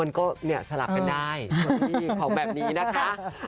มันก็เนี่ยสลับกันได้ของแบบนี้นะคะ